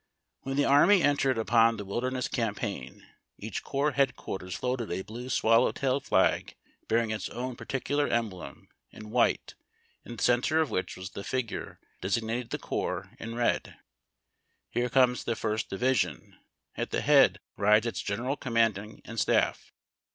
When the army en tered upon the Wilderness Campaign, each corps headquar ters floated a blue swallow tailed flag bearing its own partic ular emblem in white, in the centre of which was the figure designating the corps, in red. Here comes the First Division. At the head rides its general commanding and stafl".